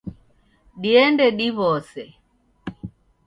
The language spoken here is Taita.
Diende diwose.